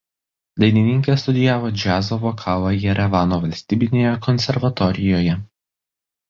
Dainininkė studijavo džiazo vokalą Jerevano valstybinėje konservatorijoje.